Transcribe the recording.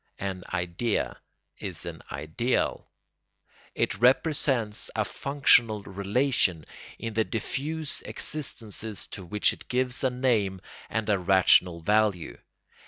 An idea is an ideal. It represents a functional relation in the diffuse existences to which it gives a name and a rational value.